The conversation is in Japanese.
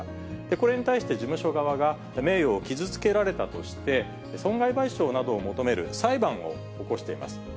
これに対して事務所側が、名誉を傷つけられたとして、損害賠償などを求める裁判を起こしています。